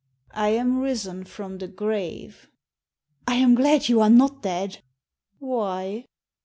" I am risen from the grave." *' I am glad you are not dead." "Why?"